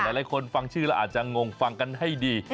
หลายคนฟังชื่อแล้วอาจจะงงฟังกันให้ดี